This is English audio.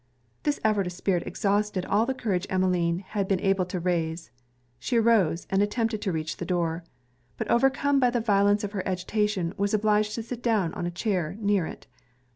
This effort of spirit exhausted all the courage Emmeline had been able to raise. She arose, and attempted to reach the door; but overcome by the violence of her agitation, was obliged to sit down in a chair near it.